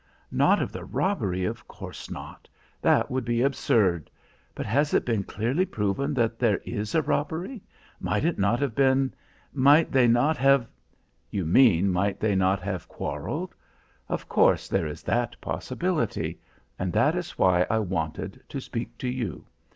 "Not of the robbery, of course not; that would be absurd! But has it been clearly proven that there is a robbery? Might it not have been might they not have " "You mean, might they not have quarreled? Of course there is that possibility. And that is why I wanted to speak to you.